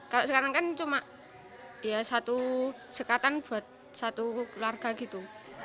kalau sekarang kan cuma ya satu sekatan buat satu keluarga gitu